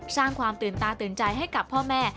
สร้างความตื่นตาตื่นใจให้กับพ่อแม่